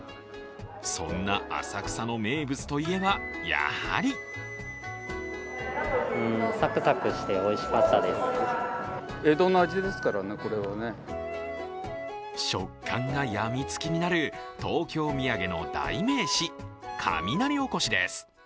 そんな浅草の名物といえばやはり食感がやみつきになる東京土産の代名詞、雷おこしです。